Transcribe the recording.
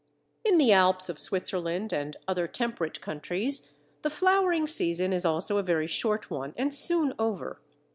In the Alps of Switzerland and other temperate countries, the flowering season is also a very short one and soon over.